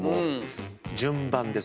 順番です。